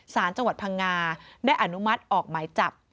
สารจังหวัดพังงาได้อนุมัติออกหมายจับ